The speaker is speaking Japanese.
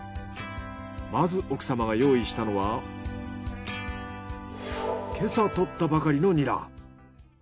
まず奥様が用意したのは今朝採ったばかりのニラ。